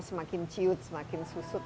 semakin ciut semakin susut